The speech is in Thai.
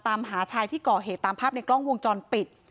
ที่ก่อเหตุตามภาพในกล้องวงจรปิด